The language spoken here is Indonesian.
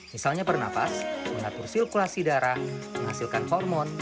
misalnya pernafas mengatur sirkulasi darah menghasilkan hormon